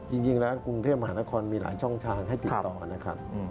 จริงแล้วกรุงเทพมหานครมีหลายช่องทางให้ติดต่อนะครับ